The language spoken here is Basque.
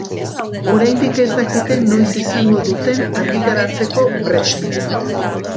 Oraindik ez dakite noiz izango duten argitaratzeko prest.